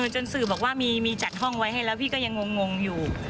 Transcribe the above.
จนสื่อบอกว่ามีจัดห้องไว้ให้แล้วพี่ก็ยังงงอยู่